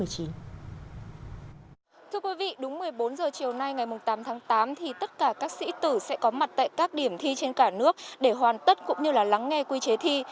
thưa quý vị đúng một mươi bốn h chiều nay ngày tám tháng tám thì tất cả các sĩ tử sẽ có mặt tại các điểm thi trên cả nước để hoàn tất cũng như là lắng nghe quy chế thi